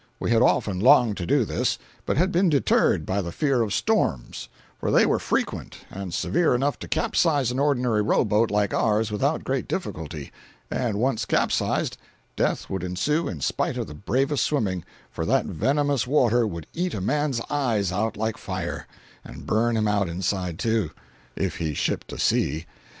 We had often longed to do this, but had been deterred by the fear of storms; for they were frequent, and severe enough to capsize an ordinary row boat like ours without great difficulty—and once capsized, death would ensue in spite of the bravest swimming, for that venomous water would eat a man's eyes out like fire, and burn him out inside, too, if he shipped a sea.